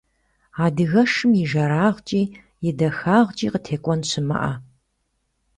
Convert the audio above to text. Адыгэшым и жэрагъкӏи и дахагъкӏи къытекӏуэн щымыӏэ!